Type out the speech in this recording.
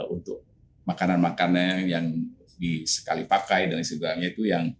untuk makanan makanan yang disekali pakai dan sebagainya itu yang